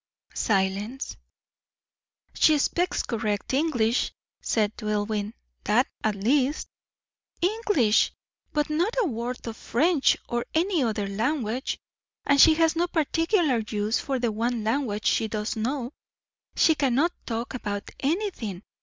Silence. "She speaks correct English," said Dillwyn. "That at least." "English! but not a word of French or of any other language. And she has no particular use for the one language she does know; she cannot talk about anything.